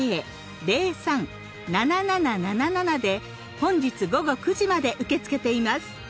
本日午後９時まで受け付けています。